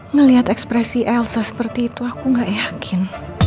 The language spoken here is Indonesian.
ngelihat ekspresi elsa seperti itu aku gak yakin